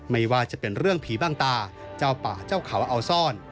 ไม่ว่าจะเป็นเรื่องผีบ้างตาเจ้าป่าเจ้าเขาเอาซ่อน